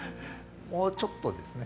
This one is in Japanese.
もうちょっとですね。